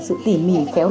sự tỉ mỉ và sự tỉ mỉ